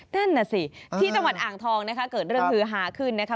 นั่นสิที่ตมัดอ่างทองนะคะเกิดเรื่องคือหาขึ้นนะคะ